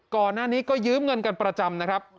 ก่อนหน้านี้ก็ยืมเงินกันประจำนะครับ